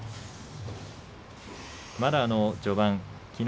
まだ序盤。